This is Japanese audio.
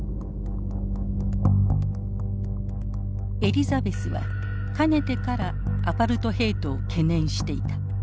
エリザベスはかねてからアパルトヘイトを懸念していた。